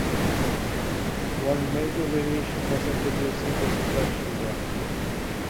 One major variation was introduced in this production run.